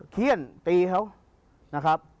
เขี้ยนตีเขานะครับ